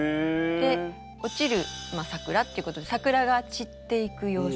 で落ちる桜ってことで桜が散っていく様子。